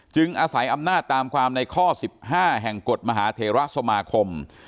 อาศัยอำนาจตามความในข้อ๑๕แห่งกฎมหาเทราสมาคม